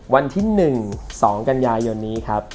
วันที่๑๒กันยายนนี้ครับ